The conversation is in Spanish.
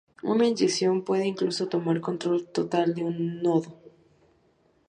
Una inyección puede incluso tomar control total de un nodo.